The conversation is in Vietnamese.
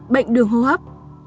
bệnh đường hô hấp